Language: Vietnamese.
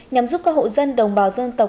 nhằm giúp các hộ dân đồng bào dân tộc